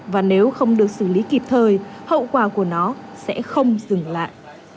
và nếu không được xử lý kịp thời hậu quả của nó sẽ không dừng lại